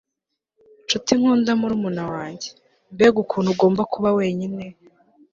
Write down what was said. nshuti nkunda murumuna wanjye, mbega ukuntu ugomba kuba wenyine